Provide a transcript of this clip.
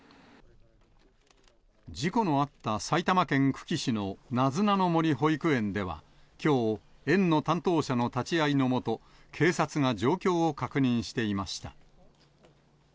事故のあった埼玉県久喜市のなずなの森保育園では、きょう、園の担当者の立ち会いの下、警察が状況を確認していました。